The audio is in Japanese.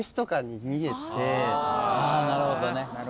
ああなるほどね。